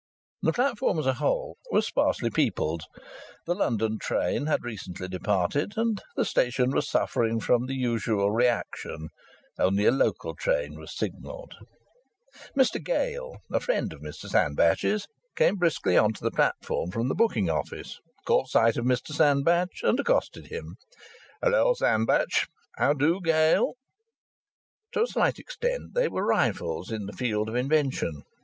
The platform as a whole was sparsely peopled; the London train had recently departed, and the station was suffering from the usual reaction; only a local train was signalled. Mr Gale, a friend of Mr Sandbach's, came briskly on to the platform from the booking office, caught sight of Mr Sandbach, and accosted him. "Hello, Sandbach!" "How do, Gale?" To a slight extent they were rivals in the field of invention.